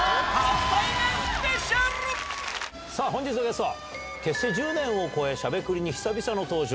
さあ本日のゲストは、結成１０年を越え、しゃべくりに久々の登場。